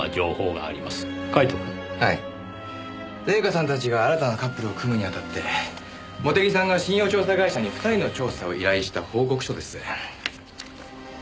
礼夏さんたちが新たなカップルを組むにあたって茂手木さんが信用調査会社に２人の調査を依頼した報告書です。